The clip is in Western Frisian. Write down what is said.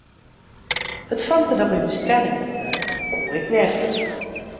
It famke dat myn bestelling opnaam, koe ik net.